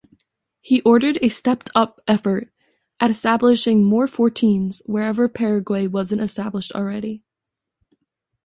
He ordered a stepped-up effort at establishing more fortines wherever Paraguay wasn't established already.